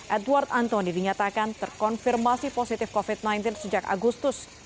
edward antoni dinyatakan terkonfirmasi positif covid sembilan belas sejak agustus